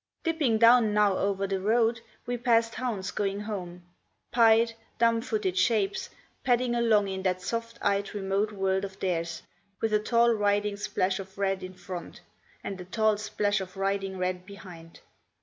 Dipping down now over the road, we passed hounds going home. Pied, dumb footed shapes, padding along in that soft eyed, remote world of theirs, with a tall riding splash of red in front, and a tall splash of riding red behind.